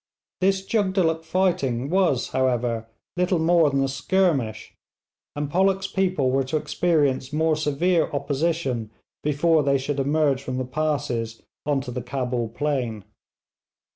This Jugdulluk fighting was, however, little more than a skirmish, and Pollock's people were to experience more severe opposition before they should emerge from the passes on to the Cabul plain.